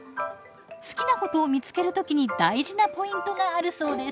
好きなことを見つける時に大事なポイントがあるそうです。